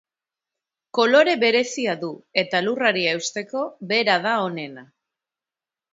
Kolore berezia du eta lurrari eusteko bera da onena.